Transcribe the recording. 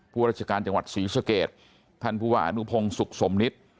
ราชการจังหวัดศรีสเกตท่านผู้ว่าอนุพงศ์สุขสมนิต